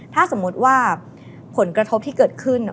ถ้าสมมุติว่าผลกระทบที่เกิดขึ้น